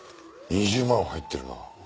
２０万は入ってるな。